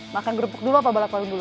makan kerupuk dulu apa balap karung dulu